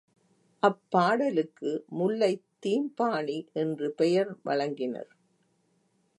அப்பாடலுக்கு முல்லைத் தீம்பாணி என்று பெயர் வழங்கினர்.